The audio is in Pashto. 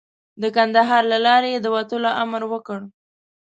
د کندهار له لارې یې د وتلو امر وکړ.